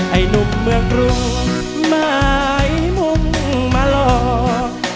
ไอ้หนุ่มเมืองรวงหมายมุ่งมาหลอก